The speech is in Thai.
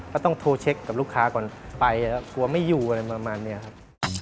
ก็ต้องโทรเช็คกับลูกค้าก่อนไปแล้วกลัวไม่อยู่อะไรประมาณนี้ครับ